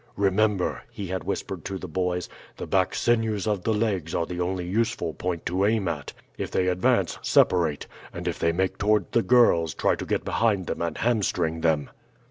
"Remember," he had whispered to the boys, "the back sinews of the legs are the only useful point to aim at; if they advance, separate, and if they make toward the girls try to get behind them and hamstring them."